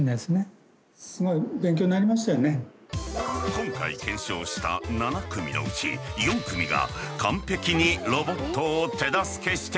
今回検証した７組のうち４組が完璧にロボットを手助けしてくれた。